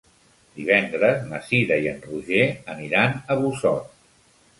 Divendres na Cira i en Roger aniran a Busot.